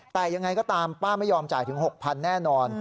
แต่ยังไงก็ตามป้าไม่ยอมจ่ายถึง๖๐๐แน่นอน